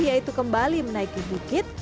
yaitu kembali menaiki bukit